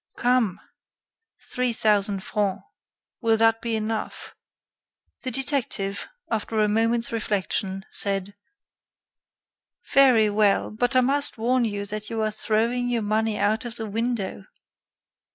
"Come! three thousand francs. Will that be enough?" The detective, after a moment's reflection, said: "Very well. But I must warn you that you are throwing your money out of the window."